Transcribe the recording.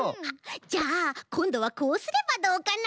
じゃあこんどはこうすればどうかな？